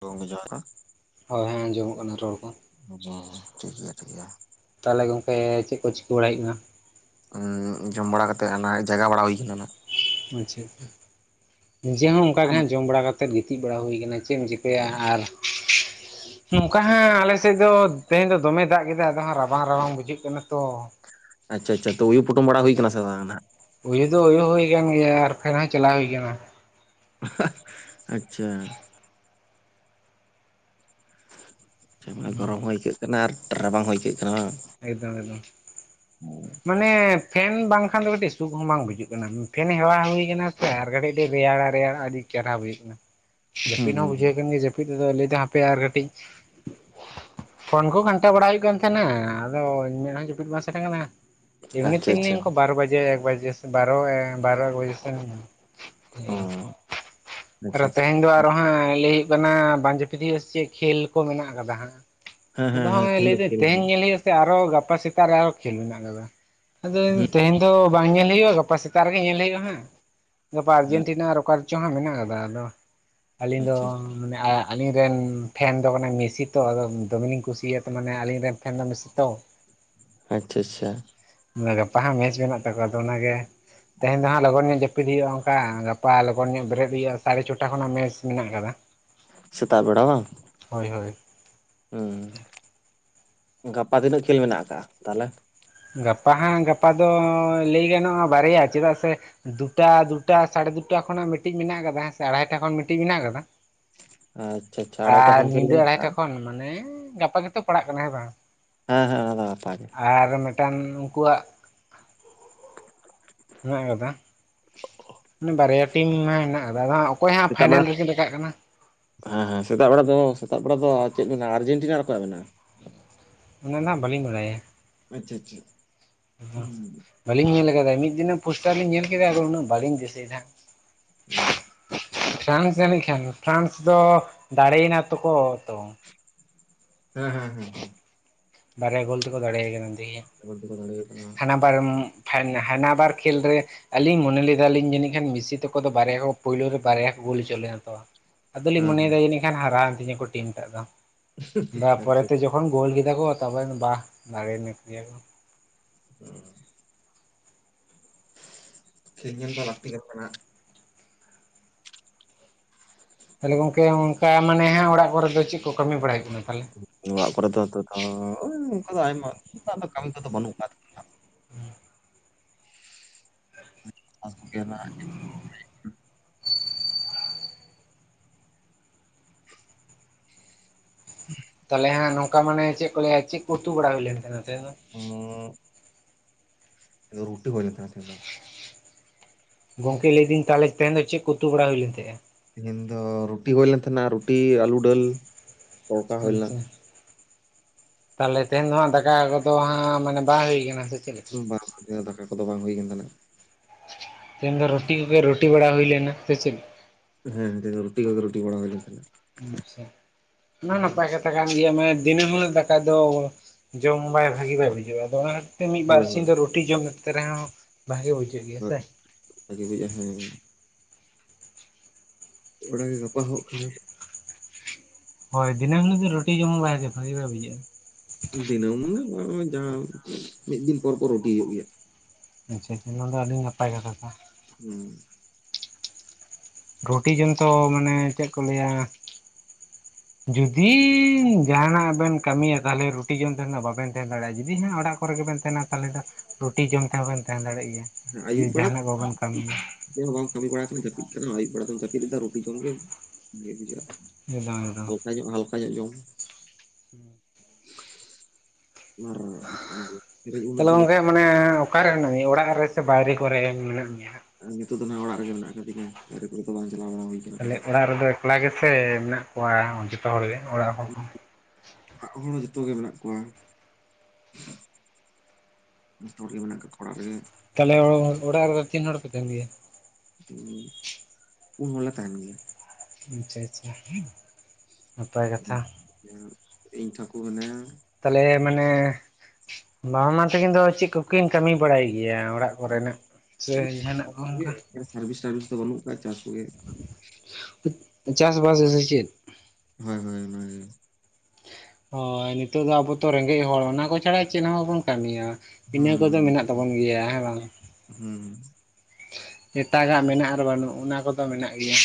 ᱜᱚᱝᱠᱮ ᱡᱚᱦᱟᱨ, ᱦᱳᱭ ᱦᱮᱸ ᱟᱸᱡᱚᱢᱚᱜ ᱠᱟᱱᱟ ᱨᱚᱲ ᱠᱚ ᱡᱚᱦᱟᱨ ᱪᱮᱫ ᱯᱮ ᱩᱛᱩ ᱠᱮᱜᱼᱟ? ᱛᱟᱦᱚᱞᱮ ᱜᱚᱝᱠᱮ ᱪᱮᱫ ᱠᱚ ᱪᱤᱠᱟᱹ ᱵᱟᱲᱟ ᱦᱚᱭᱩᱜ ᱠᱟᱱᱟ? ᱡᱚᱢ ᱵᱟᱲᱟ ᱠᱟᱛᱮᱫ ᱚᱱᱟ ᱡᱟᱜᱟ ᱵᱟᱲᱟ ᱦᱩᱭ ᱠᱟᱱᱟ ᱾ ᱟᱪᱪᱷᱟ, ᱱᱤᱡᱮ ᱦᱚᱸ ᱚᱱᱠᱟᱜ ᱜᱮ ᱦᱟᱸᱜ ᱡᱚᱢ ᱵᱟᱲᱟ ᱠᱟᱛᱮᱫ ᱜᱤᱛᱤᱡ ᱵᱟᱲᱟ ᱦᱩᱭ ᱟᱠᱟᱱᱟ ᱾ ᱪᱮᱫ ᱮᱢ ᱪᱤᱠᱟᱹᱭᱟ ᱟᱨᱼᱼ ᱱᱚᱝᱠᱟ ᱦᱟᱸ ᱟᱞᱮ ᱥᱮᱫ ᱫᱚ ᱛᱮᱦᱮᱧ ᱫᱚ ᱫᱚᱢᱮ ᱫᱟᱜ ᱠᱮᱫᱟ ᱟᱫᱚ ᱦᱟᱸᱜ ᱨᱟᱵᱟᱝ ᱨᱟᱵᱟᱝ ᱵᱩᱡᱟᱹᱜ ᱠᱟᱱᱟ ᱛᱚ ᱾ ᱟᱪᱪᱷᱟ ᱟᱪᱪᱷᱟ ᱛᱳ ᱳᱭᱩ ᱯᱚᱴᱢ ᱵᱟᱲᱟ ᱦᱩᱭ ᱠᱟᱱᱟ ᱥᱮ ᱵᱟᱝ ᱱᱟᱜ? ᱩᱭᱩ ᱫᱚ ᱩᱭᱩ ᱦᱩᱭ ᱟᱠᱟᱱ ᱜᱮᱭᱟ, ᱟᱨ ᱯᱷᱮᱱ ᱦᱚᱸ ᱪᱟᱞᱟᱣ ᱦᱩᱭ ᱟᱠᱟᱱᱟ ᱾ ᱟᱪᱪᱷᱟ ᱾ ᱟᱨ ᱜᱚᱨᱚᱢ ᱦᱚᱸ ᱟᱹᱭᱠᱟᱹᱜ ᱠᱟᱱᱟ ᱟᱨ ᱨᱟᱵᱟᱝ ᱦᱚᱸ ᱟᱹᱭᱠᱟᱹᱜ ᱠᱟᱱᱟ ᱵᱟᱝ ᱾ ᱮᱠᱫᱚᱢ ᱮᱠᱫᱚᱢ ᱾ ᱢᱟᱱᱮ ᱯᱷᱮᱱ ᱵᱟᱝᱠᱷᱟᱱ ᱫᱚ ᱠᱟᱹᱴᱤᱡ ᱥᱩᱠ ᱦᱚᱸ ᱵᱟᱝ ᱵᱩᱡᱩᱜ ᱠᱟᱱᱟ ᱯᱷᱮᱱᱮ ᱦᱮᱣᱟ ᱦᱩᱭᱠᱟᱱᱟ ᱾ ᱟᱨ ᱠᱟᱹᱴᱤᱡ ᱠᱟᱸᱴᱤᱢ ᱨᱮᱭᱟᱲᱟ ᱨᱮᱭᱟᱲ ᱟᱹᱰᱤ ᱪᱮᱦᱨᱟ ᱵᱩᱡᱟᱹᱜ ᱠᱟᱱᱟ ᱦᱩᱸ ᱡᱟᱹᱯᱤᱫ ᱦᱚᱸ ᱦᱩᱸ ᱵᱩᱡᱷᱟᱹᱣ ᱠᱟᱱ ᱜᱮᱭᱟ ᱡᱟᱹᱼᱼ ᱤᱧ ᱫᱟᱫᱟ ᱞᱟᱹᱭᱮᱫ ᱫᱚᱭ ᱦᱟᱯᱮ ᱟᱨ ᱠᱟᱹᱴᱤᱡ, ᱯᱷᱳᱱ ᱠᱚ ᱜᱷᱟᱱᱴᱟ ᱵᱟᱲᱟ ᱦᱩᱭᱩᱜ ᱠᱟᱱ ᱛᱟᱦᱮᱸᱱᱟ ᱾ ᱟᱫᱚ ᱢᱮᱫᱦᱟ ᱡᱟᱯᱤᱫ ᱵᱟᱝ ᱥᱮᱱᱟ ᱠᱟᱱᱟ ᱮᱢᱱᱤ ᱟᱪᱪᱷᱟ ᱛᱮᱢᱱᱤ ᱟᱪᱪᱷᱟ ᱩᱱ ᱵᱟᱨᱚ ᱵᱟᱡᱮ ᱮᱠ ᱵᱟᱡᱮᱼᱼ ᱵᱟᱨᱚ ᱮ ᱵᱟᱨᱚ ᱮᱠ ᱵᱟᱢᱮ ᱥᱮᱱᱼᱼ ᱚ ᱟᱪᱪᱷᱟ ᱟᱨᱳ ᱟᱪᱪᱷᱟ ᱛᱮᱦᱮᱧ ᱫᱚ ᱟᱨ ᱦᱟᱸᱜ ᱞᱤᱠ ᱾ ᱠᱟᱱᱟ ᱵᱟᱧᱡᱮᱯᱤᱫ ᱦᱩᱭᱩᱜᱼᱟ ᱥᱮ ᱪᱮᱫ ᱠᱷᱮᱞ ᱠᱚ ᱢᱮᱱᱟᱜ ᱟᱠᱟᱫᱟ ᱦᱟᱸᱜ, ᱦᱮᱸ ᱟᱫᱚ ᱦᱮᱸ ᱦᱮᱸ ᱱᱚᱜᱼᱚᱭ ᱛᱮᱦᱮᱧ ᱞᱟᱹᱭ ᱫᱚ ᱮᱫᱟᱭ ᱠᱷᱮᱞ ᱢᱮᱱᱟᱜᱼᱟ ᱛᱮᱦᱮᱧ ᱞᱟᱹᱭᱼᱼ ᱟᱨᱚ ᱜᱟᱯᱟ ᱥᱮᱛᱟᱜ ᱨᱮ ᱟᱨᱚ ᱠᱷᱮᱞ ᱢᱮᱱᱟᱜ ᱟᱠᱟᱫᱟ ᱾ ᱦᱩᱸ ᱟᱫᱚᱧ ᱛᱮᱦᱮᱧ ᱫᱚᱼᱼ ᱵᱟᱝ ᱧᱮᱞ ᱦᱩᱭᱩᱜᱼᱟ ᱱᱟᱜ ᱜᱟᱯᱟ ᱥᱮᱛᱟᱜ ᱨᱮᱜᱮ ᱧᱮᱞ ᱦᱩᱭᱜᱼᱟ ᱦᱟᱸᱜ, ᱜᱟᱯᱟ ᱦᱮᱸ ᱟᱨᱡᱮᱱᱴᱤᱱᱟ ᱟᱨ ᱚᱠᱟᱼᱼ ᱡᱟᱦᱟ ᱢᱮᱱᱟᱜ ᱟᱠᱟᱫᱟ ᱟᱫᱚ ᱟᱹᱞᱤᱧ ᱫᱚ ᱟᱪᱪᱷᱟ ᱢᱟᱱᱮ ᱟᱭᱟᱜᱼᱼ ᱟᱹᱞᱤᱧ ᱨᱮᱱ ᱯᱷᱮᱱ ᱫᱚ ᱠᱟᱱᱟᱭ ᱢᱮᱥᱤ ᱛᱚ, ᱟᱫᱚ ᱫᱚᱢᱮᱞᱤᱧ ᱠᱩᱥᱤᱭᱟ ᱢᱟᱱᱮ ᱟᱹᱞᱤᱧ ᱨᱮᱱ ᱯᱷᱮᱱ ᱫᱚ ᱢᱮᱥᱤ ᱾ ᱛᱚ ᱾ ᱟᱪᱪᱷᱟ ᱟᱪᱪᱷᱟ᱾ ᱜᱟᱯᱟ ᱦᱟᱸᱜ ᱢᱮᱪ ᱢᱮᱱᱟᱜ ᱛᱟᱠᱚᱣᱟ ᱟᱫᱚ ᱚᱱᱟᱜᱮ᱾ ᱛᱮᱦᱮᱧ ᱫᱚ ᱦᱟᱸᱜ ᱞᱚᱜᱚᱱ ᱧᱚᱜ ᱡᱟᱹᱯᱤᱫ ᱦᱩᱭᱩᱜᱼᱟ, ᱚᱱᱠᱟ ᱜᱟᱯᱟ ᱞᱚᱜᱚᱱ ᱧᱚᱜ ᱵᱮᱨᱮᱫ ᱦᱩᱭᱩᱜᱼᱟ ᱥᱟᱲᱮ ᱪᱷᱚᱴᱟ ᱠᱷᱚᱱᱟᱜ ᱢᱮᱪ ᱢᱮᱱᱟᱜ ᱠᱟᱫᱟ᱾ ᱥᱮᱛᱟᱜ ᱵᱮᱲᱟ ᱵᱟᱝ? ᱦᱳᱭ ᱦᱳᱭ᱾ ᱦᱮᱸ, ᱜᱟᱯᱟ ᱛᱤᱱᱟᱹᱜ ᱠᱷᱮᱞ ᱢᱮᱱᱟᱜ ᱠᱟᱫᱟ ᱛᱟᱦᱞᱮ? ᱜᱟᱯᱟ ᱦᱟᱸᱜ ᱜᱟᱯᱟ ᱫᱚ ᱞᱟᱹᱭ ᱜᱟᱱᱚᱜᱼᱟ ᱵᱟᱨᱭᱟ ᱪᱮᱫᱟᱜ ᱥᱮ ᱫᱩᱴᱟ ᱫᱩᱴᱟ ᱥᱟᱲᱮ ᱫᱩᱴᱟ ᱠᱷᱚᱱᱟᱜ ᱢᱤᱫᱴᱤᱡ ᱢᱮᱱᱟᱜ ᱠᱟᱫᱟ ᱦᱮᱸ ᱥᱮ ᱟᱲᱟᱭᱴᱟ ᱠᱷᱚᱱ ᱢᱤᱫᱴᱤᱡ ᱢᱮᱱᱟᱜ ᱠᱟᱫᱟ᱾ ᱟᱪᱪᱷᱟ ᱟᱪᱪᱷᱟ ᱟᱲᱟᱭᱴᱟ ᱟᱨ ᱠᱷᱚᱱ ᱠᱷᱮᱞ ᱧᱤᱫᱟᱹ ᱢᱮᱱᱟᱜ ᱟᱲᱟᱭᱴᱟ ᱟᱠᱟᱜᱼᱟ ᱠᱷᱚᱱ, ᱢᱟᱱᱮ ᱜᱟᱯᱟ ᱜᱮᱛᱚ ᱯᱟᱲᱟᱜ ᱠᱟᱱᱟ ᱦᱮᱸ ᱵᱟᱝ? ᱦᱮᱸ ᱦᱮᱸ ᱚᱱᱟ ᱫᱚ ᱜᱟᱯᱟᱜᱮ ᱾ ᱟᱨ ᱢᱤᱴᱟᱱ ᱩᱱᱠᱩᱣᱟᱜ [inaudible] ᱦᱮᱱᱟᱜ ᱠᱟᱫᱟ ᱵᱟᱨᱭᱟ ᱴᱤᱢ ᱦᱮᱱᱟᱜ ᱟᱠᱟᱫᱟ ᱚᱠᱚᱭ ᱦᱟᱸᱜ ᱥᱮᱛᱟᱜ ᱵᱮᱲᱟ ᱯᱷᱟᱭᱱᱮᱞ ᱨᱮᱠᱤᱱ ᱨᱟᱠᱟᱵ ᱠᱟᱱᱟ᱾ ᱦᱮᱸ, ᱥᱮᱛᱟᱜ ᱵᱮᱲᱟ ᱫᱚ ᱥᱮᱛᱟᱜ ᱵᱮᱲᱟ ᱫᱚ ᱪᱮᱫ ᱢᱮᱱᱟᱜᱼᱟ ᱟᱨᱡᱮᱱᱴᱤᱱᱟ ᱟᱨ ᱚᱠᱚᱭᱟᱜ ᱢᱮᱱᱟᱜᱼᱟ? ᱚᱱᱟ ᱫᱚ ᱦᱟᱜ ᱵᱟᱞᱤᱧ ᱵᱟᱲᱟᱭᱟ᱾ ᱟᱪᱪᱷᱟ ᱟᱪᱪᱷᱟ, ᱦᱩᱸ᱾ ᱵᱟᱞᱤᱧ ᱧᱮᱞ ᱠᱟᱫᱟ ᱢᱤᱫ ᱫᱤᱱ ᱯᱳᱥᱴᱟᱨᱞᱤᱧ ᱧᱮᱞ ᱠᱮᱫᱟ ᱟᱫᱚ ᱩᱱᱟᱹᱜ ᱵᱟᱞᱤᱧ ᱫᱤᱥᱟᱹᱭᱮᱫᱟ᱾ ᱚ᱾ ᱯᱷᱨᱟᱱᱥ ᱡᱟᱹᱱᱤᱡ ᱠᱷᱟᱱ ᱯᱷᱨᱟᱱᱥ ᱫᱚ ᱫᱟᱲᱮᱭᱮᱱᱟ ᱛᱚᱠᱚ ᱛᱚ ᱦᱮᱸ ᱦᱮᱸ ᱦᱮᱸ ᱦᱮᱸ᱾ ᱵᱟᱨᱭᱟ ᱜᱳᱞ ᱛᱮᱠᱚ ᱫᱟᱲᱮᱭ ᱠᱟᱱᱟ, ᱫᱤᱭᱮ ᱜᱳᱞ‌ ᱛᱮᱠᱚ ᱫᱟᱲᱮᱭ ᱠᱟᱱᱟ᱾ ᱵᱟᱝ ᱯᱷᱟᱭ ᱦᱟᱱᱟ ᱵᱟᱨ ᱠᱷᱮᱞ ᱨᱮ ᱟᱞᱤᱧ ᱢᱚᱱᱮ ᱞᱮᱫᱟᱟᱞᱤᱧ ᱡᱟᱹᱱᱤᱡ ᱠᱷᱟᱱ ᱢᱤᱥᱤ ᱛᱟᱠᱚ ᱫᱚ ᱵᱟᱨᱭᱟ ᱯᱳᱭᱞᱳ ᱨᱮ ᱵᱟᱨᱭᱟ ᱠᱚ ᱜᱳᱞ ᱦᱚᱪᱚ ᱞᱮᱠ-ᱟ ᱠᱚ᱾ ᱟᱫᱚᱞᱤᱧ ᱦᱮᱸ ᱦᱮᱸ ᱢᱚᱱᱮᱭᱮᱫᱟ ᱡᱟᱹᱱᱤᱡ ᱠᱷᱟᱱ ᱦᱟᱨᱟᱣᱮᱱ ᱛᱤᱧᱟ ᱠᱚ ᱴᱤᱢ ᱴᱟᱜ ᱫᱚ ᱛᱟᱨ ᱯᱚᱨᱮ ᱟᱪᱪᱷᱟ ᱛᱮ ᱡᱚᱠ ᱛᱚᱠᱷᱚᱱ ᱜᱳᱞ ᱠᱮᱫᱟ ᱠᱚ ᱛᱟᱯᱚᱨᱮ ᱵᱟᱦ ᱫᱟᱲᱮᱭᱮᱱ ᱜᱮᱭᱟᱠᱚ᱾ ᱠᱷᱮᱞ ᱧᱮᱞ ᱫᱚ ᱞᱟᱹᱠᱛᱤ ᱜᱮ ᱠᱟᱱᱟ᱾ ᱛᱟᱦᱚᱞᱮ ᱜᱚᱝᱠᱮ ᱚᱱᱠᱟ ᱢᱟᱱᱮ ᱦᱟᱸᱜ ᱚᱲᱟᱜ ᱠᱚᱨᱮ ᱫᱚ ᱪᱮᱫ ᱠᱚ ᱠᱟᱹᱢᱤ ᱵᱟᱲᱟᱭ ᱦᱩᱭᱩᱜ ᱠᱟᱱᱟ ᱛᱟᱦᱚᱞᱮ? ᱚᱲᱟᱜ ᱠᱚᱨᱮ ᱫᱚ ᱱᱤᱛᱚᱜ ᱫᱚ ᱳ ᱚᱱᱠᱟ ᱫᱚ ᱟᱭᱢᱟ ᱫᱚ ᱠᱟᱹᱢᱤ ᱠᱚᱫᱚ ᱵᱟᱹᱱᱩᱜ ᱟᱠᱟᱣ [unintelligible] ᱦᱮᱸ᱾ ᱛᱟᱦᱚᱞᱮ ᱦᱟᱸᱜ ᱱᱚᱝᱠᱟ ᱢᱟᱱᱮ ᱪᱮᱫ ᱠᱚ ᱞᱟᱹᱭᱟ ᱪᱮᱫ ᱠᱚ ᱩᱛᱩ ᱵᱟᱲᱟ ᱦᱩᱭ ᱞᱮᱱᱟ ᱛᱟᱦᱮᱧ ᱫᱚ ᱩᱸ ᱨᱩᱴᱤ ᱦᱩᱭ ᱞᱮᱱ ᱛᱟᱦᱮ ᱛᱮᱦᱮᱧ ᱫᱚ᱾ ᱜᱚᱝᱠᱮ ᱞᱟᱹᱭᱫᱟᱹᱧ ᱛᱟᱦᱚᱞᱮ ᱛᱮᱦᱮᱧ ᱫᱚ ᱪᱮᱫ ᱠᱚ ᱩᱛᱩ ᱵᱟᱲᱟ ᱦᱩᱭ ᱞᱮᱱ ᱛᱟᱦᱮᱸᱜᱼᱟ? ᱛᱮᱦᱮᱧ ᱫᱚ ᱨᱩᱴᱤ ᱦᱩᱭ ᱞᱮᱱ ᱛᱟᱦᱮᱱᱟ ᱨᱩᱴᱤ ᱟᱹᱞᱩ ᱰᱟᱹᱞ᱾ ᱛᱚᱲᱠᱟ ᱦᱩᱭ ᱞᱮᱱᱟ ᱟᱪᱪᱷᱟ, ᱛᱟᱦᱚᱞᱮ ᱛᱮᱦᱮᱧ ᱫᱚ ᱦᱟᱸᱜ ᱫᱟᱠᱟ ᱠᱚᱫᱚ ᱦᱟᱸᱜ ᱢᱟᱱᱮ ᱵᱟᱝ ᱦᱩᱭ ᱠᱟᱱᱟ ᱥᱮ ᱪᱮ ᱵᱟᱝ ᱫᱟᱠᱟ ᱠᱚᱫᱚ ᱵᱟᱝ ᱦᱩᱭ ᱠᱟᱱ ᱛᱟᱞᱮᱭᱟ ᱾ ᱛᱮᱦᱮᱧ ᱫᱚ ᱨᱩᱴᱤ ᱠᱚᱜᱮ ᱨᱩᱴᱤ ᱵᱟᱲᱟ ᱦᱩᱭ ᱞᱮᱱᱟ ᱥᱮ ᱪᱮᱫ? ᱦᱮᱸ ᱨᱩᱴᱤ ᱠᱚᱜᱮ ᱨᱩᱴᱤ ᱵᱚᱲᱟ ᱦᱩᱭ ᱞᱮᱱ ᱛᱟᱦᱮᱱ᱾ ᱟᱪᱪᱷᱟ᱾ ᱚᱱᱟ ᱦᱚ ᱱᱟᱯᱟᱭ ᱠᱟ ᱛᱷᱟ ᱠᱟᱱ ᱜᱮᱭᱟ ᱢᱟᱱᱮ ᱫᱤᱱᱟᱹᱢ ᱦᱤᱞᱚᱜ ᱫᱟᱠᱟ ᱫᱚ ᱡᱚᱢ ᱵᱟᱭ ᱵᱷᱟᱹᱜᱤ ᱵᱟᱭ ᱧᱚᱜ ᱵᱩᱡᱷᱟᱹᱜᱼᱟ, ᱟᱫᱚ ᱚᱱᱟ ᱠᱷᱟᱹᱛᱤᱨ ᱛᱮ ᱢᱤᱫ ᱵᱟᱨ ᱦᱳᱭ ᱥᱤᱧ ᱦᱳᱭ ᱫᱚ ᱨᱩᱴᱤ ᱡᱚᱢᱛᱮ ᱨᱮᱦᱚᱸ ᱵᱷᱟᱜᱤ ᱵᱩᱡᱷ ᱡᱷᱟᱹᱜ ᱜᱮᱭᱟ ᱥᱮ᱾ ᱵᱷᱟᱜᱤ ᱵᱩᱡᱷᱟᱹᱜᱼᱟ ᱦᱮᱸ, ᱚᱲᱟᱜ ᱜᱮ ᱜᱟᱯᱟ ᱦᱚᱜ ᱠᱷᱟᱱ᱾ ᱦᱳᱭ ᱫᱤᱱᱟᱹᱢ ᱦᱤᱞᱳ ᱜᱮ ᱨᱩᱴᱤ ᱡᱚᱢ ᱦᱚᱸ ᱵᱷᱟᱜᱮ ᱵᱟᱭ ᱵᱩᱡᱟᱹᱜᱼᱟ᱾ ᱫᱤᱱᱟᱹᱢ ᱱᱚᱜᱼᱚᱭ ᱡᱟᱦᱟᱸ ᱢᱤᱫ ᱫᱤᱱ ᱯᱚᱨ ᱯᱚᱨ ᱨᱩᱴᱤ ᱦᱩᱭᱩᱜ ᱜᱮᱭᱟ᱾ ᱟᱪᱪᱷᱟ ᱟᱪᱪᱷᱟ ᱱᱚᱣᱟ ᱫᱚ ᱟᱹᱰᱤ ᱱᱟᱯᱟᱭ ᱠᱟᱛᱷᱟ ᱠᱟᱱ, ᱦᱩᱸ, ᱨᱩᱴᱤ ᱡᱚᱢ ᱛᱚ ᱢᱟᱱᱮ ᱪᱮᱫ ᱠᱚ ᱞᱟᱹᱭᱟ? ᱡᱩᱫᱤ ᱡᱟᱦᱟᱱᱟᱜ ᱵᱮᱱ ᱠᱟᱹᱢᱤᱭᱟ ᱛᱟᱦᱚᱞᱮ ᱨᱩᱴᱤ ᱡᱚᱢ ᱛᱟᱦᱮᱱ ᱫᱚ ᱵᱟᱵᱮᱱ ᱛᱟᱦᱮᱸᱱ ᱫᱟᱲᱮᱭᱟᱜᱼᱟ, ᱡᱩᱫᱤ ᱦᱟᱸᱜ ᱚᱲᱟᱜ ᱠᱚᱨᱮ ᱜᱮᱵᱮᱱ ᱛᱟᱦᱮᱱᱟ ᱛᱟᱦᱚᱞᱮ ᱫᱚ ᱨᱩᱴᱤ ᱡᱚᱢ ᱛᱮᱦᱚᱸᱵᱮᱱ ᱛᱟᱦᱮᱸᱱ ᱫᱟᱲᱮᱭᱟᱜ ᱜᱮᱭᱟ, ᱦᱮᱸ ᱡᱮ ᱟᱹᱭᱩᱵ ᱵᱮᱲᱟ ᱡᱟᱦᱟᱱᱟᱜ ᱵᱟᱵᱮᱱ ᱠᱟᱹᱢᱤᱭᱟ᱾ ᱪᱮᱫ ᱦᱚᱸ ᱵᱟᱢ ᱠᱟᱹᱢᱤ ᱵᱟᱲᱟᱣ ᱟᱠᱟᱫᱟ ᱟᱭᱩᱵ ᱵᱮᱲᱟ ᱫᱚ ᱨᱩᱴᱤ ᱡᱚᱢ ᱜᱮ ᱵᱷᱟᱹᱜᱤ ᱵᱩᱡᱷᱟᱜᱼᱟ᱾ ᱮᱠᱫᱚᱢ ᱦᱟᱞᱠᱟ ᱧᱚᱜ ᱦᱟᱞᱠᱟ ᱧᱚᱜ ᱡᱚᱢ, ᱦᱩᱸ, ᱟᱨ ᱯᱮᱨᱮᱡ ᱩᱱᱟᱹᱜ ᱛᱟᱦᱚᱞᱮ ᱞᱟᱪ ᱜᱚᱝᱠᱮ ᱢᱟᱱᱮ ᱚᱠᱟᱨᱮ ᱢᱮᱱᱟᱜ ᱢᱮᱭᱟ ᱚᱲᱟᱜ ᱨᱮ ᱥᱮ ᱵᱟᱭᱨᱮ ᱠᱚᱨᱮ ᱢᱮᱱᱟᱜ ᱢᱮᱭᱟ ᱦᱟᱸᱜ? ᱱᱤᱛᱚᱜ ᱫᱚ ᱱᱟᱜ ᱚᱲᱟᱜ ᱨᱮ ᱢᱮᱱᱟᱜ ᱟᱠᱟ ᱫᱤᱧᱟᱹ ᱵᱟᱦᱨᱮ ᱠᱚᱨᱮ ᱫᱚ ᱵᱟᱝ ᱪᱟᱞᱟᱣ ᱵᱟᱲᱟ ᱦᱩᱭ ᱟᱠᱟᱱᱟ᱾ ᱛᱟᱦᱞᱮ ᱚᱲᱟᱜ ᱨᱮᱫᱚ ᱮᱠᱞᱟ ᱜᱮᱥᱮ ᱢᱮᱱᱟᱜ ᱠᱚᱣᱟ ᱡᱚᱛᱚ ᱦᱚᱲ ᱜᱮ ᱚᱲᱟᱜ ᱦᱚᱲ ᱠᱚ? ᱚᱲᱟᱜ ᱦᱚᱲ ᱦᱚᱸ ᱡᱚᱛᱚᱜᱮ ᱢᱮᱱᱟᱜ ᱠᱚᱣᱟ᱾ ᱡᱚᱛᱚ ᱦᱚᱲ ᱜᱮ ᱢᱮᱱᱟᱜ ᱠᱟ ᱚᱲᱟᱜ ᱨᱮᱜᱮ᱾ ᱛᱟᱦᱞᱮ ᱚᱻ ᱚᱲᱟᱜᱨᱮ ᱫᱚ ᱛᱤᱱ ᱦᱚᱲ ᱯᱮ ᱛᱟᱦᱮᱱ ᱜᱮᱭᱟ? ᱦᱩᱸ, ᱯᱩᱱ ᱦᱚᱲᱞᱮ ᱛᱟᱦᱮᱱ ᱜᱮᱭᱟ᱾ ᱟᱪᱪᱷᱟ ᱟᱪᱪᱷᱟ᱾ ᱱᱟᱯᱟᱭ ᱠᱟᱛᱷᱟ [unintelligible] ᱤᱧ ᱴᱟᱹᱠᱩ ᱢᱮᱱᱟᱭᱟ᱾ ᱛᱟᱦᱚᱞᱮ ᱢᱟᱱᱮ ᱵᱟ ᱢᱟ ᱛᱟᱹᱠᱤᱱ ᱫᱚ ᱪᱮᱫ ᱠᱚᱠᱤᱱ ᱠᱟᱹᱢᱤ ᱵᱟᱲᱟᱭ ᱜᱮᱭᱟ ᱚᱲᱟᱜ ᱯᱚᱨᱮᱱᱟᱜ? ᱥᱮ ᱡᱟᱦᱟᱸᱱᱟᱜ ᱠᱚᱦᱚ ᱚᱱᱠᱟ? ᱥᱟᱨᱵᱷᱤᱥ ᱴᱟᱨᱵᱷᱤᱥ ᱫᱚ ᱵᱟᱹᱱᱩᱜ ᱟᱠᱟᱜᱼᱟ ᱪᱟᱥ ᱠᱚᱜᱮ᱾ ᱪᱟᱥ ᱵᱟᱥ ᱜᱮ ᱥᱮ ᱪᱮᱫ? ᱦᱳᱭ ᱦᱳᱭ ᱦᱳᱭ, ᱦᱳᱭ, ᱱᱤᱛᱚᱜ ᱫᱚ ᱟᱵᱚ ᱛᱚ ᱨᱮᱸᱜᱮᱡ ᱦᱚᱲ ᱚᱱᱟ ᱠᱚ ᱪᱷᱟᱲᱟ ᱪᱮᱫ ᱦᱚᱸ ᱵᱟᱵᱚᱱ ᱠᱟᱹᱢᱤᱭᱟ᱾ ᱤᱱᱟᱹ ᱠᱚᱫᱚ ᱦᱩᱸ ᱢᱮᱱᱟᱜ ᱛᱟᱵᱚᱱ ᱜᱮᱭᱟ ᱦᱮᱸ ᱵᱟᱝ᱾ ᱦᱩᱸ ᱮᱴᱟᱜᱟᱜ ᱢᱮᱱᱟᱜ ᱟᱨ ᱵᱟᱹᱱᱩᱜ ᱚᱱᱟ ᱠᱚᱫᱚ ᱢᱮᱱᱟᱜ ᱜᱮᱭᱟ᱾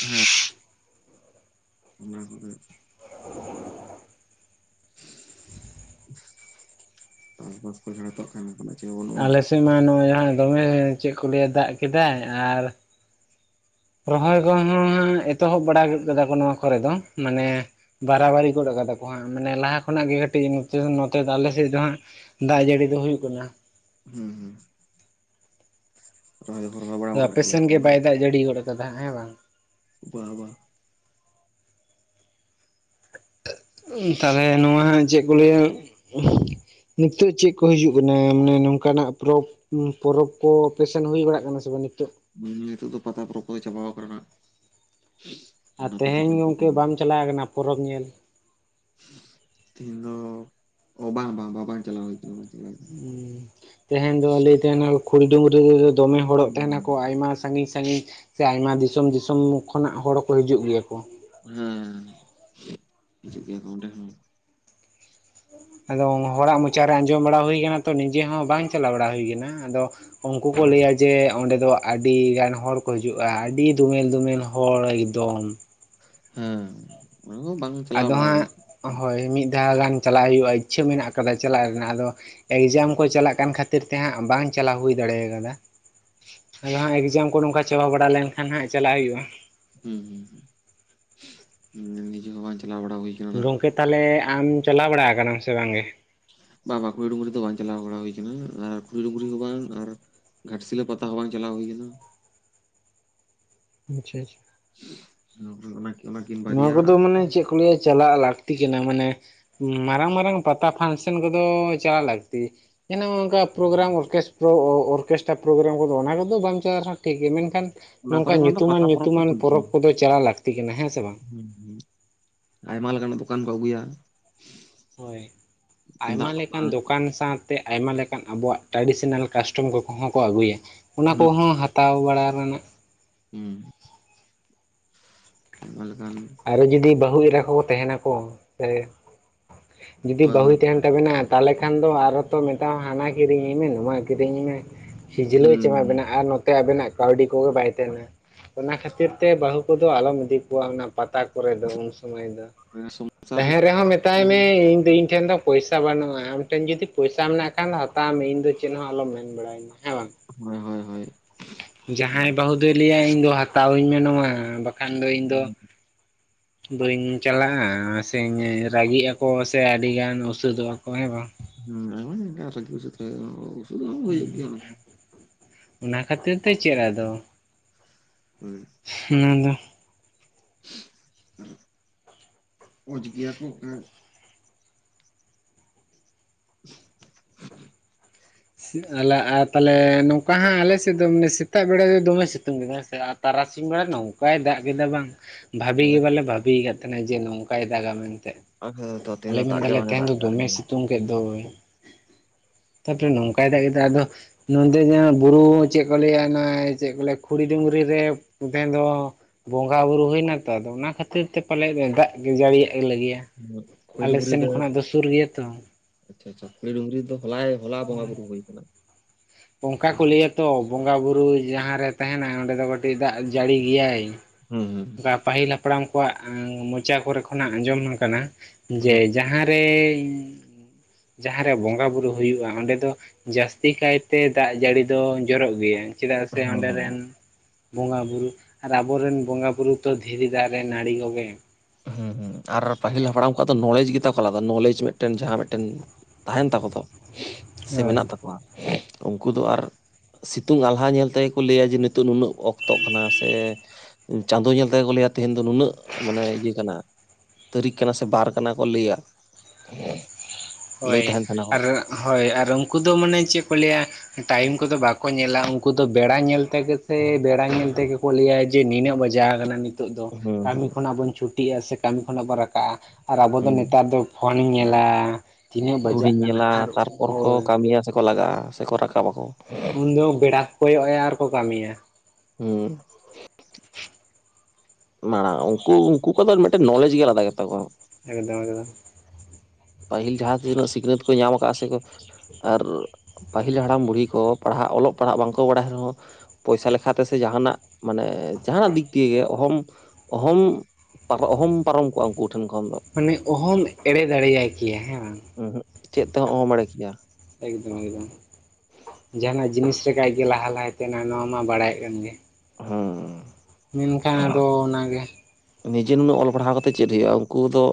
ᱦᱮᱸ ᱚᱱᱟᱦᱚᱸ᱾ [inaudible] ᱪᱟᱥᱵᱟᱥ ᱠᱚ ᱡᱟᱦᱟᱸ ᱦᱤᱛᱚᱜ ᱠᱟᱹᱴᱤ ᱛᱮᱱᱟᱜ ᱪᱮᱫ ᱦᱚᱸ ᱵᱟᱹᱱᱩᱜᱼᱟ᱾ ᱟᱞᱮ ᱥᱮᱫ ᱢᱟ ᱱᱚᱜᱼᱚᱭ ᱡᱟᱦᱟᱸ ᱫᱚᱢᱮ ᱪᱮᱫ ᱠᱚ ᱞᱟᱹᱭᱟ ᱫᱟᱜ ᱠᱮᱫᱟᱭ, ᱟᱨ ᱨᱚᱦᱚᱭ ᱠᱚᱦᱚᱸ ᱦᱟᱸᱜ ᱮᱛᱚᱦᱚᱵ ᱵᱟᱲᱟ ᱠᱮᱫ ᱠᱟᱫᱟ ᱠᱚ ᱱᱚᱣᱟ ᱠᱚᱨᱮ ᱫᱚ, ᱢᱟᱱᱮ ᱵᱟᱨᱟᱵᱟᱨᱤ ᱜᱚᱫ ᱠᱟᱫᱟ ᱠᱚ ᱦᱟᱸ ᱢᱟᱱᱮ ᱞᱟᱦᱟ ᱠᱷᱚᱱᱟᱜ ᱜᱮ ᱠᱟᱹᱴᱤᱡ ᱱᱚᱛᱮ ᱫᱚ ᱟᱞᱮ ᱥᱮᱫ ᱫᱚ ᱦᱟᱸᱜ ᱫᱟᱜ ᱡᱟᱹᱲᱤ ᱫᱚ ᱦᱩᱭᱩᱜ ᱠᱟᱱᱟ᱾ ᱦᱩᱸ ᱦᱩᱸ, ᱨᱚᱦᱚᱭ ᱫᱚᱠᱚ ᱨᱚᱦᱚᱭ ᱵᱟᱲᱟ ᱜᱚᱫ ᱟᱠᱟᱫ ᱜᱮᱭᱟ ᱵᱟᱝ? ᱜᱟᱹᱰᱤ ᱜᱚᱫ ᱠᱟᱫᱟ ᱦᱮᱸ ᱵᱟᱝ? ᱵᱟ ᱵᱟ, ᱛᱟᱦᱞᱮ ᱱᱚᱣᱟ ᱪᱮᱫ ᱠᱚ ᱞᱟᱹᱭᱟ? ᱱᱤᱛᱚᱜ ᱪᱮᱫ ᱠᱚ ᱦᱤᱡᱩᱜ ᱠᱟᱱᱟ ᱢᱟᱱᱮ ᱱᱚᱝᱠᱟᱱᱟᱜ ᱯᱚᱨᱚᱵᱽ? ᱩ ᱯᱚᱨᱚᱵᱽ ᱠᱚ ᱚᱯᱮᱥᱮᱱ ᱦᱩᱭ ᱵᱟᱲᱟᱜ ᱠᱟᱱᱟ ᱥᱮ ᱵᱟᱝ ᱱᱤᱛᱚᱜ? ᱱᱤᱛᱚᱜ ᱫᱚ ᱯᱟᱛᱟ ᱯᱚᱨᱚᱵᱽ ᱠᱚ ᱪᱟᱵᱟᱣ ᱠᱟᱱᱟ ᱱᱟᱦᱟᱜ᱾ ᱟᱨ ᱛᱮᱦᱮᱧ ᱜᱚᱝᱠᱮ ᱵᱟᱢ ᱪᱟᱞᱟᱣ ᱠᱟᱱᱟ ᱯᱚᱨᱚᱵᱽ ᱧᱮᱞ? ᱛᱮᱦᱤᱧ ᱫᱚ ᱵᱟᱝ ᱵᱟᱝ ᱵᱟᱝ ᱵᱟᱝ ᱪᱟᱞᱟᱣ ᱦᱩᱭ ᱠᱟᱱᱟ ᱵᱟᱝ ᱪᱟᱞᱟᱣ ᱠᱟᱱᱟ ᱦᱩᱸ ᱛᱮᱦᱮᱧ ᱫᱚ ᱞᱟᱹᱭ ᱛᱟᱦᱮᱱᱟ ᱠᱚ ᱠᱷᱩᱲᱤ ᱰᱩᱝᱨᱤ ᱨᱮ ᱫᱚᱢᱮ ᱦᱚᱲᱚᱜ ᱦᱩᱸ ᱛᱟᱦᱮᱱᱟᱠᱚ ᱟᱭᱢᱟ ᱥᱟᱺᱜᱤᱧ ᱥᱟᱺᱜᱤᱧ ᱥᱮ ᱟᱭᱢᱟ ᱫᱤᱥᱚᱢ ᱫᱤᱥᱚᱢ ᱠᱷᱚᱱᱟᱜ ᱦᱚᱲ ᱠᱚ ᱦᱤᱡᱩᱜ ᱜᱮᱭᱟ ᱠᱚ᱾ ᱦᱮᱸᱻ ᱦᱤᱡᱩᱜ ᱜᱮᱭᱟ ᱠᱚ ᱚᱸᱰᱮ ᱦᱚᱸ᱾ ᱟᱫᱚ ᱦᱚᱲᱟᱜ ᱢᱚᱪᱟ ᱨᱮ ᱟᱸᱡᱚᱢ ᱵᱟᱲᱟ ᱦᱩᱭ ᱠᱟᱱᱟ ᱛᱚ, ᱱᱤᱡᱮ ᱦᱚᱸ ᱵᱟᱝ ᱪᱟᱞᱟᱣ ᱵᱟᱲᱟ ᱦᱩᱭ ᱠᱟᱱᱟ᱾ ᱟᱫᱚ ᱩᱱᱠᱩ ᱠᱚ ᱞᱟᱹᱭᱟ ᱡᱮ ᱚᱸᱰᱮ ᱫᱚ ᱟᱹᱰᱤᱜᱟᱱ ᱦᱚᱲ ᱠᱚ ᱦᱤᱡᱩᱜᱼᱟ, ᱟᱹᱰᱤ ᱫᱳᱢᱮᱞ ᱫᱳᱢᱮᱞ ᱦᱚᱲ ᱮᱠᱫᱚᱢ᱾ ᱦᱮᱸᱻ᱾ ᱟᱫᱚ ᱦᱟᱸᱜ ᱦᱚᱭ ᱢᱤᱫ ᱫᱷᱟᱣ ᱜᱟᱱ ᱪᱟᱞᱟᱜ ᱦᱩᱭᱩᱜᱼᱟ, ᱤᱪᱪᱷᱟᱹ ᱢᱮᱱᱟᱜ ᱠᱟᱫᱟ ᱪᱟᱞᱟᱜ ᱨᱮᱱᱟᱜ᱾ ᱟᱫᱚ ᱮᱠᱡᱟᱢ ᱠᱚ ᱪᱟᱞᱟᱜ ᱠᱟᱱ ᱠᱷᱟᱹᱛᱤᱨ ᱛᱮ ᱦᱟᱸᱜ ᱵᱟᱝ ᱪᱟᱞᱟᱣ ᱦᱩᱭ ᱫᱟᱲᱮᱭ ᱠᱟᱫᱟ᱾ ᱟᱫᱚ ᱦᱟᱸᱜ ᱮᱠᱡᱟᱢ ᱠᱚ ᱱᱚᱝᱠᱟ ᱪᱟᱵᱟ ᱵᱟᱲᱟ ᱞᱮᱱᱠᱷᱟᱱ ᱦᱟᱸᱜ ᱪᱟᱞᱟᱜ ᱦᱩᱭᱩᱜᱼᱟ᱾ ᱦᱩᱸ ᱦᱩᱸ ᱦᱩᱸ ᱱᱤᱡᱮ ᱦᱚᱸ ᱵᱟᱝ ᱪᱟᱞᱟᱣ ᱵᱟᱲᱟ ᱦᱩᱭ ᱠᱟᱱᱟ ᱱᱟᱜ ᱜᱚᱝᱠᱮ ᱛᱟᱦᱚᱞᱮ ᱟᱢ ᱪᱟᱞᱟᱣ ᱵᱟᱲᱟ ᱠᱟᱱᱟᱢ ᱥᱮ ᱵᱟᱝ ᱜᱮ? ᱵᱟ ᱵᱟ ᱠᱷᱩᱲᱤ ᱰᱩᱝᱨᱤ ᱫᱚ ᱵᱟᱝ ᱪᱟᱞᱟᱣ ᱵᱟᱲᱟ ᱦᱩᱭ ᱠᱟᱱᱟ, ᱟᱨ ᱠᱷᱩᱲᱤ ᱰᱩᱝᱨᱤ ᱦᱚᱸ ᱵᱟᱝ ᱟᱨ ᱜᱷᱟᱴᱥᱤᱞᱟᱹ ᱯᱟᱛᱟ ᱦᱚᱸ ᱵᱟᱝ ᱪᱟᱞᱟᱣ ᱦᱩᱭ ᱠᱟᱱᱟ ᱾ ᱟᱪᱪᱷᱟ ᱟᱪᱷᱟ᱾ [unintelligible] ᱱᱳᱣᱟ ᱵᱟᱨᱭᱟ ᱠᱚᱫᱚ ᱟᱨ ᱢᱟᱱᱮ ᱪᱮᱫ ᱠᱚ ᱞᱟᱹᱭᱟ ᱪᱟᱞᱟᱜ ᱞᱟᱠ ᱛᱤ ᱠᱟᱱᱟ ᱢᱟᱱᱮ ᱢᱟᱨᱟᱝ ᱢᱟᱨᱟᱝ ᱯᱟᱛᱟ ᱯᱷᱟᱱᱥᱮᱱ ᱠᱚᱫᱚᱻ ᱪᱟᱞᱟᱜ ᱞᱟᱠᱛᱤ᱾ ᱡᱮ ᱱᱚᱜᱼᱚᱝᱠᱟ ᱯᱨᱳᱜᱨᱟᱢ ᱚᱨᱠᱮᱥᱴᱨᱚ ᱚᱨᱠᱮᱥᱴᱟᱨ ᱯᱨᱳᱜᱨᱟᱢ ᱠᱚᱫᱚ ᱚᱱᱟ ᱠᱚᱫᱚ ᱵᱟᱢ ᱪᱟᱞᱟᱜ ᱨᱮᱦᱚᱸ ᱴᱷᱤᱠ ᱜᱮᱭᱟ᱾ ᱢᱮᱱᱠᱷᱟᱱ ᱚᱱᱟ ᱱᱚᱝᱠᱟ ᱠᱚᱨᱮ ᱠᱷᱚᱱᱟᱜ ᱫᱚ ᱧᱩᱛᱩᱢᱟᱱ ᱯᱟᱛᱟ ᱫᱚ ᱧᱩᱛᱩᱢᱟᱱ ᱴᱷᱤᱠ ᱜᱮᱭᱟ ᱯᱚᱨᱚᱵᱽ ᱠᱚᱫᱚ ᱪᱟᱞᱟᱜ ᱞᱟᱠᱛᱤ ᱠᱟᱱᱟ ᱦᱮᱸ ᱥᱮᱸ ᱵᱟᱝ? ᱦᱩᱸ ᱦᱩᱸ, ᱟᱭᱢᱟ ᱞᱮᱠᱟᱱᱟᱜ ᱫᱚᱠᱟᱱ ᱠᱚ ᱟᱹᱜᱩᱭᱟ᱾ ᱦᱳᱭ, ᱟᱭᱢᱟ ᱞᱮᱠᱟᱱ ᱫᱚᱠᱟᱱ ᱥᱟᱶ ᱛᱮ ᱟᱭᱢᱟ ᱞᱮᱠᱟᱱ ᱟᱵᱚᱣᱟᱜ ᱴᱨᱟᱰᱤᱥᱮᱱᱟᱞ ᱠᱟᱥᱴᱚᱢ ᱠᱚᱸᱦᱚᱸ ᱠᱚ ᱟᱹᱜᱩᱭᱟ, ᱚᱱᱟ ᱦᱩᱸ ᱠᱚᱸᱦᱚᱸ ᱦᱟᱛᱟᱣ ᱵᱟᱲᱟ ᱨᱮᱱᱟᱜ ᱦᱩᱸ ᱟᱭᱢᱟ ᱞᱮᱠᱟᱱ ᱟᱨᱚ ᱡᱩᱫᱤ ᱵᱟᱹᱦᱩ ᱮᱨᱟ ᱠᱚ ᱛᱟᱦᱮᱱᱟ ᱠᱚ, ᱡᱩᱫᱤ ᱦᱳᱭ ᱵᱟᱹᱦᱩᱭ ᱦᱳᱭ ᱛᱟᱦᱮᱱ ᱛᱟᱵᱮᱱᱟ ᱛᱟᱦᱚᱞᱮ ᱠᱷᱟᱱ ᱫᱚ ᱟᱨ ᱦᱚᱸ ᱛᱚ ᱢᱮᱛᱟᱢᱟ ᱦᱟᱱᱟ ᱠᱤᱨᱤᱧᱟᱹᱧ ᱢᱮ ᱱᱚᱣᱟ ᱠᱤᱨᱤᱧᱟᱹᱧ ᱢᱮ᱾ ᱠᱷᱤᱡᱞᱟᱹᱣ ᱦᱩᱸ ᱪᱟᱵᱟ ᱵᱮᱱᱟ ᱟᱨ ᱱᱚᱛᱮ ᱟᱵᱮᱱᱟᱜ ᱠᱟᱹᱣᱰᱤ ᱠᱚᱜᱮ ᱵᱟᱭ ᱛᱟᱦᱮᱱᱟ, ᱚᱱᱟ ᱠᱷᱟᱹᱛᱤᱨ ᱛᱮ ᱵᱟᱹᱦᱩ ᱠᱚᱫᱚ ᱟᱞᱚᱢ ᱤᱫᱤ ᱠᱚᱣᱟ ᱚᱱᱟ ᱯᱟᱛᱟ ᱠᱚᱨᱮ ᱫᱚ ᱩᱱ ᱥᱩᱢᱟᱹᱭ ᱫᱚ, ᱥᱚᱝᱥᱟᱨ ᱛᱟᱦᱮᱱ ᱞᱮᱠᱟ ᱨᱮᱦᱚᱸ ᱢᱮᱛᱟᱭ ᱢᱮ ᱜᱮ, ᱤᱧ ᱫᱚ ᱤᱧ ᱴᱷᱮᱱ ᱫᱚ ᱯᱚᱭᱥᱟ ᱵᱟᱹᱱᱩᱜᱼᱟ, ᱟᱢ ᱴᱷᱮᱱ ᱡᱩᱫᱤ ᱯᱩᱭᱥᱟ ᱢᱮᱱᱟᱜ ᱠᱷᱟᱱ ᱦᱟᱛᱟᱣ ᱢᱮ ᱤᱧ ᱫᱚ ᱪᱮᱫ ᱦᱚᱸ ᱟᱞᱚᱢ ᱢᱮᱱ ᱵᱟᱲᱟᱣᱟᱹᱧᱟᱹ ᱦᱮᱸ ᱵᱟᱝ᱾ ᱦᱳᱭ ᱦᱳᱭ᱾ ᱦᱳᱭ ᱡᱟᱸᱦᱟᱸᱭ ᱦᱩᱸ ᱵᱟᱹᱦᱩ ᱫᱚᱭ ᱞᱟᱹᱭᱟᱭ ᱤᱧ ᱫᱚ ᱦᱟᱛᱟᱣᱟᱧ ᱢᱮ ᱱᱚᱶᱟ, ᱵᱟᱠᱷᱟᱱ ᱫᱚ ᱤᱧ ᱫᱚ ᱵᱟᱹᱧ ᱪᱟᱞᱟᱜᱼᱟ ᱥᱮᱧ ᱨᱟᱹᱜᱤᱜ ᱟᱠᱚ ᱥᱮ ᱟᱹᱰᱤᱜᱟᱱ ᱩᱥᱟᱹᱫᱚᱜᱼᱟ ᱠᱚ ᱦᱮᱸ ᱵᱟᱝ᱾ ᱦᱩᱸ ᱟᱭᱢᱟ ᱚᱝᱠᱟ ᱨᱟᱹᱜᱤ ᱩᱥᱟᱹᱫ ᱦᱳᱭᱳᱜᱼᱟ ᱾ ᱦᱩᱸ ᱚᱱᱟ ᱠᱷᱟᱹᱛᱤᱨ ᱛᱮ ᱪᱮᱫ ᱟᱫᱚ᱾ ᱦᱳᱭ᱾ ᱚᱱᱟ ᱫᱚ ᱚᱡᱽ ᱜᱮᱭᱟ ᱠᱚ ᱚᱝᱠᱟ᱾ [inaudible] ᱟᱞᱮ ᱟᱨ ᱛᱟᱦᱚᱞᱮ ᱱᱚᱝᱠᱟ ᱦᱟᱸᱜ ᱟᱞᱮ ᱥᱮᱫ ᱫᱚ ᱢᱟᱱᱮ ᱥᱮᱛᱟᱜ ᱵᱮᱲᱟ ᱫᱚ ᱫᱚᱢᱮ ᱥᱤᱛᱩᱝ ᱠᱮᱫᱟ ᱥᱮ ᱟᱨ ᱛᱟᱨᱟᱥᱤᱧ ᱵᱮᱲᱟ ᱱᱚᱝᱠᱟᱭ ᱫᱟᱜ ᱠᱮᱫᱟ ᱵᱟᱝ᱾ ᱵᱷᱟᱵᱤ ᱜᱮ ᱟᱞᱮ ᱵᱟᱞᱮ ᱵᱷᱟᱵᱤᱭ ᱟᱠᱟᱫ ᱛᱟᱦᱮᱱᱟ ᱡᱮ ᱱᱚᱝᱠᱟᱭ ᱫᱟᱜᱟ ᱢᱮᱱᱛᱮ᱾ ᱟᱨ ᱛᱚ ᱛᱮᱦᱮᱧ ᱟᱞᱮ ᱫᱚ ᱫᱟᱜ ᱜᱮ ᱢᱮᱱᱫᱟᱞᱮ ᱵᱟᱝ ᱮ ᱛᱮᱦᱮᱧ ᱫᱟᱜ ᱫᱚ ᱠᱟᱜ ᱫᱚᱢᱮ ᱨᱮᱦᱚᱸ ᱥᱤᱛᱩᱝ ᱠᱮᱫ ᱫᱚᱭ ᱛᱟᱯᱚᱨᱮ ᱱᱚᱝᱠᱟᱼᱼ ᱵᱟᱭ ᱫᱟᱜ ᱮ ᱫᱟᱭ ᱟᱫᱚ ᱱᱚᱰᱮ ᱡᱟᱦᱟᱸ ᱵᱩᱨᱩ ᱪᱮᱫ ᱠᱚ ᱞᱮᱭᱟ ᱚᱱᱟ ᱪᱮᱫ ᱠᱚ ᱞᱮᱭᱟ ᱠᱷᱩᱲᱤ ᱰᱩᱝᱨᱤ ᱨᱮᱼᱼ ᱛᱮᱦᱮᱧ ᱫᱚ ᱵᱚᱸᱜᱟ ᱵᱩᱨᱩ ᱦᱩᱭᱱᱟᱛᱚ ᱟᱫᱚ ᱚᱱᱟ ᱠᱷᱟᱹᱛᱤᱨ ᱛᱮ ᱯᱟᱞᱮ ᱫᱟᱜ ᱡᱟᱹᱲᱤᱭᱮᱜ ᱞᱮᱜᱮᱭᱟ ᱠᱷᱩᱲᱤ ᱟᱞᱮ ᱰᱩᱝᱨᱤ ᱥᱮᱱ ᱨᱮ ᱠᱷᱚᱱᱟᱜ ᱫᱚ ᱥᱩᱨ ᱜᱮᱭᱟ ᱛᱚ ᱟᱪᱪᱷᱟ ᱟᱪᱪᱷᱟ ᱠᱷᱩᱲᱤ ᱰᱩᱝᱨᱤ ᱨᱮ ᱫᱚ ᱦᱚᱞᱟᱭ ᱦᱚᱞᱟ ᱵᱚᱸᱜᱟ ᱵᱩᱨᱩ ᱦᱩᱭ ᱠᱟᱱᱟ ᱚᱝᱠᱟ ᱠᱚ ᱞᱮᱭᱟ ᱛᱚ ᱵᱚᱸᱜᱟ ᱵᱩᱨᱩ ᱡᱟᱸᱦᱟ ᱨᱮ ᱛᱟᱸᱦᱮᱱᱟᱭ ᱚᱸᱰᱮ ᱫᱚ ᱠᱟᱹᱴᱤᱡ ᱫᱟᱜ ᱡᱟᱹᱲᱤ ᱜᱮᱭᱟᱭ ᱦᱩᱸ ᱚᱱᱠᱟ ᱯᱟᱦᱤᱞ ᱦᱟᱯᱲᱟᱢ ᱠᱚᱣᱟᱜ ᱢᱚᱪᱟ ᱠᱚᱨᱮ ᱠᱷᱚᱱᱟᱜ ᱟᱸᱡᱚᱢ ᱠᱟᱱᱟ ᱦᱩᱸ ᱡᱮ ᱡᱟᱸᱦᱟᱼᱼ ᱛᱮᱭ ᱡᱟᱸᱦᱟ ᱨᱮ ᱵᱚᱸᱜᱟ ᱵᱩᱨᱩ ᱦᱩᱭᱩᱜᱼᱟ ᱚᱸᱰᱮ ᱫᱚ ᱡᱟᱹᱥᱛᱤ ᱠᱟᱭᱛᱮ ᱛᱮ ᱫᱟᱜ ᱡᱟᱹᱲᱤ ᱫᱚ ᱡᱚᱨᱚᱜ ᱜᱮᱭᱟ ᱪᱮᱫᱟᱜ ᱥᱮ ᱦᱮᱸ ᱚᱸᱱᱰᱮ ᱦᱮᱸ ᱨᱮᱱᱼᱼ ᱵᱚᱸᱜᱟ ᱵᱩᱨᱩ ᱟᱨ ᱟᱵᱚᱨᱮᱱ ᱵᱚᱸᱜᱟ ᱵᱩᱨᱩ ᱛᱚ ᱫᱷᱤᱨᱤ ᱫᱟᱲᱮ ᱱᱟᱲᱤ ᱠᱚᱜᱮ ᱦᱩᱸ ᱦᱩᱸ ᱟᱨ ᱯᱟᱦᱤᱞ ᱦᱟᱯᱲᱟᱢ ᱠᱚᱣᱟᱜ ᱫᱚ ᱱᱚᱞᱮᱡᱽ ᱜᱮᱛᱟ ᱠᱚ ᱟᱞᱟᱫᱟ ᱱᱚᱞᱮᱡᱽ ᱢᱮᱜᱴᱮᱱ ᱡᱟᱸᱦᱟ ᱢᱤᱜᱴᱮᱱ ᱛᱟᱦᱮᱱ ᱛᱟᱠᱚ ᱫᱚ ᱥᱮ ᱦᱳᱭ ᱢᱮᱱᱟᱜ ᱛᱟᱠᱚᱣᱟ ᱩᱱᱠᱩ ᱫᱚ ᱟᱨᱼᱼ ᱥᱤᱛᱩᱝ ᱟᱞᱦᱟ ᱧᱮᱞ ᱛᱮᱜᱮ ᱠᱚ ᱞᱟᱹᱭᱟ ᱡᱮ ᱱᱤᱛᱚᱜ ᱱᱩᱱᱟᱹᱜ ᱚᱠᱛᱚᱜ ᱠᱟᱱᱟ ᱥᱮ ᱪᱟᱸᱫᱚ ᱧᱮᱞ ᱛᱮᱜᱮ ᱠᱚ ᱞᱮᱭᱟ ᱛᱮᱦᱤᱧ ᱫᱚ ᱱᱩᱱᱟᱹᱜ ᱢᱟᱱᱮ ᱤᱭᱟᱹ ᱠᱟᱱᱟ ᱛᱟᱹᱨᱤᱠᱷ ᱠᱟᱱᱟ ᱥᱮ ᱵᱟᱨ ᱠᱟᱱᱟ ᱠᱚ ᱞᱟᱹᱭᱟ ᱞᱟᱹᱭ ᱦᱳᱭ ᱛᱟᱦᱮᱱ ᱛᱟᱦᱮᱱᱟ ᱠᱚ ᱟᱨ ᱦᱳᱭ ᱟᱨ ᱩᱱᱠᱩ ᱫᱚ ᱢᱟᱱᱮ ᱪᱮᱫ ᱠᱚ ᱞᱟᱹᱭᱟ ᱴᱟᱭᱤᱢ ᱠᱚᱫᱚ ᱵᱟᱠᱚ ᱧᱮᱞᱟ ᱩᱱᱠᱩ ᱫᱚ ᱵᱮᱲᱟ ᱧᱮᱞ ᱛᱮᱜᱮ ᱥᱮ ᱵᱮᱲᱟ ᱧᱮᱞ ᱛᱮᱜᱮ ᱠᱚ ᱞᱟᱹᱭᱟ ᱡᱮ ᱱᱤᱱᱟᱹᱜ ᱵᱟᱡᱟ ᱟᱠᱟᱱᱟ ᱱᱤᱛᱚᱜ ᱫᱚ ᱦᱩᱸ ᱠᱟᱹᱢᱤ ᱦᱩᱸ ᱠᱷᱚᱱᱟᱜ ᱵᱚᱱ ᱪᱷᱩᱴᱤᱜᱼᱟ ᱥᱮ ᱠᱟᱹᱢᱤ ᱠᱷᱚᱱᱟᱜ ᱵᱚᱱ ᱨᱟᱠᱟᱵᱼᱟ ᱟᱨ ᱟᱵᱚ ᱫᱚ ᱦᱩᱸ ᱱᱮᱛᱟᱨ ᱫᱚᱼᱼ ᱯᱷᱳᱱᱤᱧ ᱧᱮᱞᱟ ᱛᱤᱱᱟᱹᱜ ᱵᱟᱡᱟᱜ ᱜᱷᱩᱲᱤᱧ ᱠᱟᱱᱟ ᱧᱮᱞᱟ ᱟᱨ ᱛᱟᱨᱯᱚᱨ ᱠᱚ ᱦᱳᱭ ᱠᱟᱹᱢᱤᱭᱟ ᱥᱮᱠᱚ ᱞᱟᱜᱟᱜᱼᱟ ᱥᱮᱠᱚ ᱨᱟᱠᱟᱵ ᱟᱠᱚ ᱩᱱ ᱫᱚ ᱵᱮᱲᱟ ᱠᱚ ᱠᱚᱭᱚᱜ ᱟᱭᱟ ᱟᱨ ᱠᱚ ᱠᱟᱹᱢᱤᱭᱟ ᱦᱩᱸ ᱢᱟᱲᱟᱝ ᱩᱱᱠᱩ ᱩᱱᱠᱩ ᱠᱚᱫᱚ ᱢᱤᱫᱴᱮᱱ ᱱᱚᱞᱮᱡ ᱜᱮ ᱟᱞᱟᱫᱟ ᱜᱮᱛᱟ ᱠᱚᱣᱟ ᱮᱠᱫᱚᱢ ᱮᱠᱫᱚᱢ ᱯᱟᱹᱦᱤᱞ ᱡᱟᱦᱟᱸ ᱛᱤᱱᱟᱹᱜ ᱥᱤᱠᱷᱱᱟᱹᱛ ᱠᱚ ᱧᱟᱢ ᱟᱠᱟᱜᱼᱟ ᱥᱮᱠᱚᱼᱼ ᱟᱨ ᱯᱟᱹᱦᱤᱞ ᱦᱟᱲᱟᱢ ᱵᱩᱲᱦᱤ ᱠᱚ ᱯᱟᱲᱦᱟᱜ ᱚᱞᱚᱜ ᱯᱟᱲᱦᱟᱜ ᱵᱟᱝᱠᱚ ᱵᱟᱲᱟᱭ ᱨᱮᱦᱚᱸᱼᱼ ᱯᱚᱭᱥᱟ ᱞᱮᱠᱷᱟ ᱛᱮ ᱥᱮ ᱡᱟᱦᱟᱱᱟᱜ ᱢᱟᱱᱮ ᱡᱟᱦᱟᱱᱟᱜ ᱫᱤᱠ ᱫᱤᱭᱮ ᱚᱦᱚᱢ ᱚᱦᱚᱢ ᱚᱦᱚᱢ ᱯᱟᱨᱚᱢ ᱠᱚᱜᱼᱟ ᱩᱱᱠᱩ ᱴᱷᱮᱱ ᱠᱷᱚᱱ ᱫᱚ ᱢᱟᱱᱮ ᱚᱦᱚᱢ ᱮᱲᱮ ᱫᱟᱲᱮᱭᱟᱭ ᱠᱮᱭᱟ ᱦᱮᱸ ᱵᱟᱝ ᱩᱸᱦᱩᱜ ᱪᱮᱫ ᱛᱮᱦᱚᱸ ᱚᱦᱚᱢ ᱮᱲᱮ ᱠᱮᱭᱟ ᱮᱠᱫᱚᱢ ᱮᱠᱫᱚᱢ ᱡᱟᱦᱟᱱᱟᱜ ᱡᱤᱱᱤᱥ ᱞᱮᱠᱟ ᱜᱮ ᱞᱟᱦᱟ ᱞᱟᱦᱟ ᱛᱟᱦᱮᱱᱟ ᱱᱚᱣᱟ ᱢᱟ ᱵᱟᱲᱟᱭᱚᱜ ᱠᱟᱱ ᱜᱮᱼᱼ ᱦᱩᱸᱻ ᱢᱮᱱ ᱠᱷᱟᱱ ᱟᱫᱚ ᱚᱱᱟ ᱜᱮᱼᱼ ᱱᱤᱡᱮ ᱱᱩᱱᱟᱹᱜ ᱚᱞ ᱯᱟᱲᱦᱟᱣ ᱠᱟᱛᱮᱜ ᱪᱮᱫ ᱦᱳᱭᱳᱜᱼᱟ ᱩᱱᱠᱩ ᱫᱚ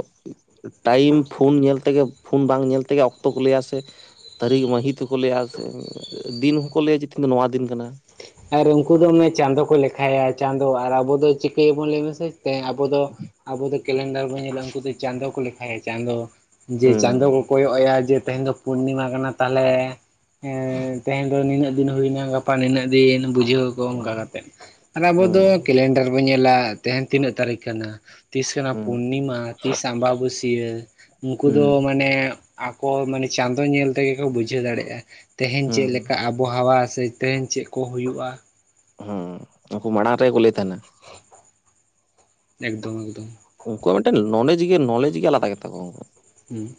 ᱴᱟᱭᱤᱢ ᱯᱷᱳᱱ ᱧᱮᱞ ᱛᱮᱜᱮ ᱯᱷᱳᱱ ᱵᱟᱝ ᱧᱮᱞ ᱛᱮᱜᱮ ᱚᱠᱛᱚ ᱠᱚ ᱞᱟᱹᱭᱟ ᱥᱮ ᱛᱟᱹᱨᱤᱠᱷ ᱢᱟᱹᱦᱤᱛ ᱦᱚᱸᱠᱚ ᱞᱟᱹᱭᱟ ᱥᱮ ᱫᱤᱱ ᱦᱚᱸᱠᱚ ᱞᱟᱹᱭᱟ ᱡᱮ [unintelligible] ᱫᱚ ᱱᱚᱣᱟ ᱫᱤᱱ ᱠᱟᱱᱟ ᱟᱨ ᱩᱱᱠᱩ ᱫᱚᱢᱮ ᱪᱟᱸᱫᱚ ᱠᱚ ᱞᱮᱠᱷᱟᱭᱟ ᱪᱟᱸᱫᱚ ᱟᱨ ᱟᱵᱚ ᱫᱚ ᱪᱤᱠᱟᱹᱭ ᱟᱵᱚᱱ ᱞᱟᱹᱭ ᱢᱮᱥᱮ ᱛᱮ ᱟᱵᱚ ᱫᱚ ᱟᱵᱚ ᱫᱚ ᱠᱮᱞᱮᱱᱰᱟᱨ ᱵᱚᱱ ᱧᱮᱞᱟ ᱩᱱᱠᱩ ᱫᱚ ᱪᱟᱸᱫᱚ ᱠᱚ ᱞᱮᱠᱷᱟᱭᱟ ᱪᱟᱸᱫᱚ ᱡᱮ ᱪᱟᱸᱫᱚ ᱦᱩᱸ ᱠᱚ ᱠᱚᱭᱚᱜ ᱮᱭᱟ ᱡᱮ ᱛᱮᱦᱮᱧ ᱫᱚ ᱯᱩᱨᱱᱤᱢᱟ ᱠᱟᱱᱟ ᱛᱟᱦᱚᱞᱮ ᱦᱮᱸ ᱛᱮᱦᱮᱱ ᱫᱚ ᱱᱤᱱᱟᱹᱜ ᱫᱤᱱ ᱦᱩᱭᱱᱟ ᱜᱟᱯᱟ ᱱᱤᱱᱟᱹᱜ ᱫᱤᱱ ᱵᱩᱡᱷᱟᱹᱣ ᱟᱠᱚ ᱦᱩᱸ ᱚᱱᱠᱟ ᱠᱟᱛᱮᱜ ᱟᱨ ᱟᱵᱚ ᱦᱩᱸ ᱫᱚ ᱠᱮᱞᱮᱱᱰᱟᱨ ᱵᱚᱱ ᱧᱮᱞᱟ ᱛᱟᱦᱮᱧ ᱛᱤᱱᱟᱹᱜ ᱛᱟᱹᱨᱤᱠᱷ ᱠᱟᱱᱟ ᱛᱤᱥ ᱠᱟᱱᱟ ᱦᱩᱸ ᱯᱩᱨᱱᱤᱢᱟ ᱛᱤᱥ ᱟᱢᱵᱟᱵᱟᱹᱥᱭᱟᱹ ᱩᱱᱠᱩ ᱦᱩᱸ ᱫᱚ ᱢᱟᱱᱮ ᱟᱠᱚ ᱢᱟᱱᱮ ᱪᱟᱸᱫᱚ ᱧᱮᱞ ᱛᱮᱜᱮ ᱠᱚ ᱵᱩᱡᱷᱟᱹᱣ ᱫᱟᱲᱮᱜᱼᱟ, ᱛᱮᱦᱮᱧ ᱪᱮᱜ ᱦᱩᱸ ᱞᱮᱠᱟ ᱟᱵᱚᱦᱟᱣᱟ ᱥᱮ ᱛᱮᱦᱮᱧ ᱪᱮᱜ ᱠᱚ ᱦᱩᱭᱩᱜᱼᱟ? ᱦᱩᱸ, ᱩᱝᱠᱩ ᱢᱟᱲᱟᱝ ᱨᱮ ᱠᱚ ᱞᱟᱹᱭ ᱛᱟᱦᱮᱱᱟ᱾ ᱮᱠᱫᱚᱢ, ᱮᱠᱫᱚᱢ᱾ ᱩᱝᱠᱩᱣᱟᱜ ᱢᱮᱴᱮᱱ ᱱᱚᱞᱮᱡᱽ ᱜᱮ, ᱱᱚᱞᱮᱡᱽ ᱜᱮ ᱟᱞᱟᱫᱟ ᱜᱮᱛᱟ ᱠᱚᱣᱟ ᱩᱝᱠᱩ ᱩᱸ᱾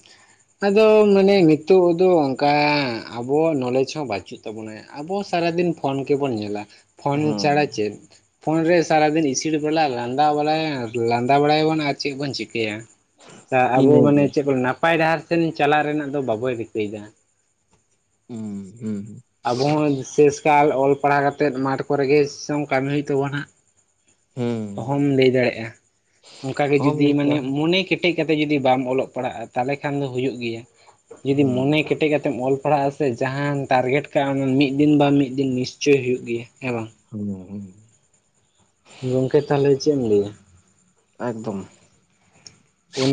ᱟᱫᱚ ᱢᱟᱱᱮ ᱱᱤᱛᱳᱜ ᱫᱚ ᱚᱝᱠᱟᱸᱻ ᱟᱵᱚ ᱱᱚᱞᱮᱡᱽ ᱦᱚᱸ ᱵᱟᱪᱩᱜ ᱛᱟᱵᱚᱱᱟ᱾ ᱟᱵᱚ ᱥᱟᱨᱟᱫᱤᱱ ᱯᱷᱳᱱ ᱜᱮᱵᱚᱱ ᱧᱮᱞᱟ᱾ ᱯᱷᱳᱱ ᱪᱟᱲᱟ ᱦᱩᱸ ᱪᱮᱫ? ᱯᱷᱳᱱ ᱨᱮ ᱥᱟᱨᱟᱫᱤᱱ ᱤᱥᱤᱲ ᱵᱟᱞᱟ, ᱞᱟᱸᱫᱟ ᱵᱟᱞᱟᱭᱟᱸᱻ, ᱞᱟᱸᱫᱟ ᱵᱟᱲᱟᱭᱟᱵᱚᱱ ᱟᱨ ᱪᱮᱜ ᱵᱚᱱ ᱪᱤᱠᱟᱹᱭᱟ? ᱫᱟ ᱟᱵᱚ ᱢᱟᱱᱮ ᱤᱱᱟᱹᱜᱮ ᱪᱮᱜ ᱠᱚᱞ ᱱᱟᱯᱟᱭ ᱰᱟᱦᱟᱨ ᱥᱮᱱ ᱪᱟᱞᱟᱜ ᱨᱮᱱᱟᱜ ᱫᱚ ᱵᱟᱵᱚ ᱨᱤᱠᱟᱹᱭᱫᱟ᱾ ᱩᱸ ᱦᱩᱸ᱾ ᱟᱵᱚ ᱚᱸ ᱥᱮᱹᱥ ᱠᱟᱞ ᱚᱞ ᱯᱟᱲᱟᱣ ᱠᱟᱛᱮᱫ ᱢᱟᱴᱷ ᱠᱚᱨᱮᱜᱮ ᱥᱮᱣᱚᱝ ᱠᱟᱹᱢᱤ ᱭᱩᱜ ᱛᱟᱵᱚᱱᱟ᱾ ᱦᱩᱸ ᱚᱦᱚᱢ ᱞᱟᱹᱭ ᱫᱟᱲᱮᱜᱼᱟ, ᱚᱝᱠᱟ ᱜᱮ ᱚᱦᱚᱢ ᱡᱩᱫᱤ ᱞᱟᱹᱭ ᱢᱟᱱᱮ ᱠᱮᱭᱟ ᱢᱚᱱᱮ ᱠᱮ- -ᱴᱮᱡ ᱠᱟᱛᱮ ᱡᱩᱫᱤ ᱵᱟᱢ ᱚᱞᱚᱜ ᱯᱟᱲᱟᱜᱼᱟ ᱛᱟᱞᱮ ᱠᱷᱟᱱ ᱫᱚ ᱦᱩᱭᱩᱜ ᱜᱮᱭᱟ, ᱡᱩᱫᱤ ᱦᱩᱸ ᱢᱚᱱᱮ ᱠᱮᱴᱮᱜ ᱠᱟᱛᱮᱢ ᱚᱞ ᱯᱟᱲᱟᱜᱼᱟ ᱛᱮ ᱡᱟᱦᱟᱱ ᱛᱟᱨᱜᱮᱴ ᱠᱟᱜᱼᱟ ᱚᱱᱟ ᱢᱤᱫ ᱫᱤᱱ ᱵᱟ ᱢᱤᱫ ᱫᱤᱱ ᱱᱤᱥᱪᱚᱭ ᱦᱩᱭᱩᱜ ᱜᱮᱭᱟ, ᱦᱮᱸ ᱵᱟᱝ! ᱦᱩᱸᱣᱚ, ᱦᱩᱸ᱾ ᱜᱚᱝᱠᱮ ᱛᱟᱞᱮ ᱪᱮᱜ ᱮᱢ ᱞᱟᱹᱭᱟ? ᱮᱠᱫᱚᱢ᱾ ᱚᱱᱟ